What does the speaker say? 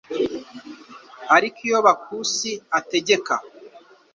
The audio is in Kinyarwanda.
Ariko iyo Bakusi ategeka